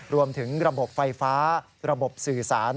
รวมถึงระบบไฟฟ้าระบบสื่อสาร